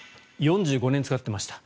４５年使ってました。